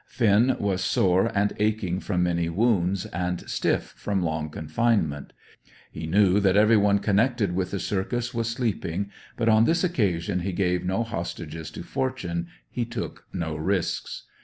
Finn was sore and aching from many wounds, and stiff from long confinement. He knew that every one connected with the circus was sleeping; but on this occasion he gave no hostages to fortune, he took no risks.